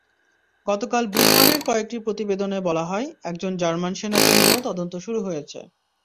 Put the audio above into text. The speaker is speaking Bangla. গতকাল বুধবারের কয়েকটি প্রতিবেদনে বলা হয়, একজন জার্মান সেনাকে নিয়েও তদন্ত শুরু হয়েছে।